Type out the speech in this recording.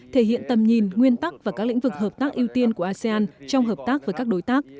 thể hiện tầm nhìn nguyên tắc và các lĩnh vực hợp tác ưu tiên của asean trong hợp tác với các đối tác